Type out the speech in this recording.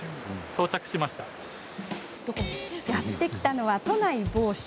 やって来たのは、都内の某所。